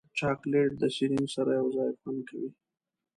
چاکلېټ د سیرین سره یوځای خوند کوي.